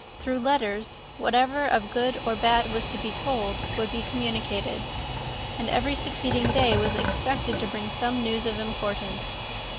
Through letters, whatever of good or bad was to be told would be communicated; and every succeeding day was expected to bring some news of importance.